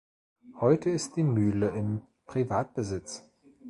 Heute ist die Mühle im Privatbesitz.